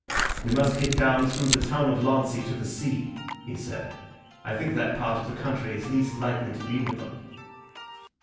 "We must get down through the town of Lancy to the sea," he said. "I think that part of the country is least likely to be with them."